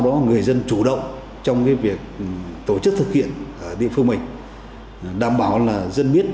đó người dân chủ động trong việc tổ chức thực hiện ở địa phương mình đảm bảo là dân biết